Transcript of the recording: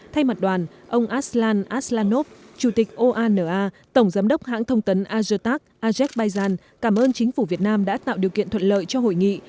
thay mặt đoàn ông aslan aslanov chủ tịch oana tổng giám đốc hãng thông tấn azotag azerbaijan cảm ơn chính phủ việt nam đã tạo điều kiện thuận lợi cho hội nghị